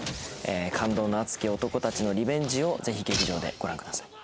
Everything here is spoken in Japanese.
感動の熱き男たちのリベンジをぜひ劇場でご覧ください。